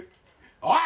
おい！